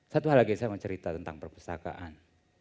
satu hal lagi saya mau cerita tentang perpustakaan